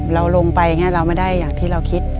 เราลงไปเราไม่ได้อย่างที่เราคิด